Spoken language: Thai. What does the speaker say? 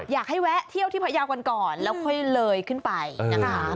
อยากให้แวะเที่ยวที่พยาวกันก่อนแล้วค่อยเลยขึ้นไปนะคะ